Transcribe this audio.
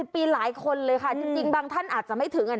ปีหลายคนเลยค่ะจริงบางท่านอาจจะไม่ถึง